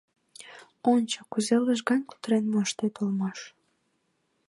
— Ончо, кузе лыжган кутырен моштет улмаш.